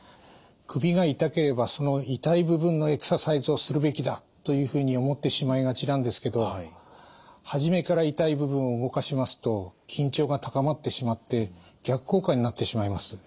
首が痛ければその痛い部分のエクササイズをするべきだというふうに思ってしまいがちなんですけど初めから痛い部分を動かしますと緊張が高まってしまって逆効果になってしまいます。